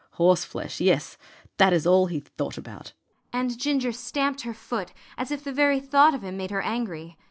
'Horseflesh'! Yes, that is all that he thought about," and Ginger stamped her foot as if the very thought of him made her angry.